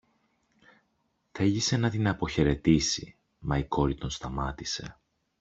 Θέλησε να την αποχαιρετήσει, μα η κόρη τον σταμάτησε.